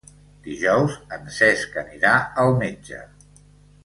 Dijous en Cesc anirà al metge.